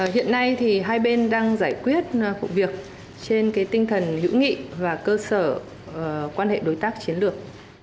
hiện nay thì hai bên đang giải quyết vụ việc trên tinh thần hữu nghị và cơ sở quan hệ đối tác chiến lược